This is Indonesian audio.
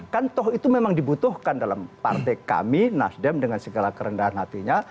kan toh itu memang dibutuhkan dalam partai kami nasdem dengan segala kerendahan hatinya